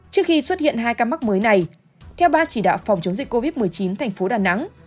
trước khi xuất hiện hai ca mắc mới này theo ban chỉ đạo phòng chống dịch covid một mươi chín thành phố đà nẵng